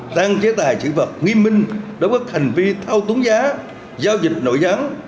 tăng chế tài xử vật nghiêm minh đối với hành vi thao túng giá giao dịch nội gián